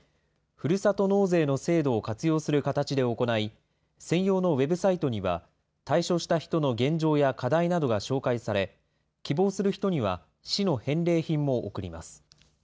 ふるさと納税の制度を活用する形で行い、専用のウェブサイトには、退所した人の現状や課題などが紹介され、希望する人には市の返礼品も送ります。